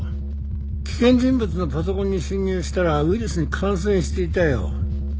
危険人物のパソコンに侵入したらウイルスに感染していたよ。